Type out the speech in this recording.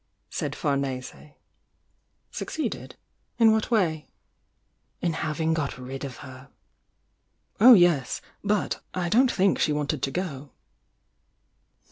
said Farnese. "Succeeded? In what way?" "In having got rid of her!" "Oh, yes! Bu^ I c!on't think she wanted to go!"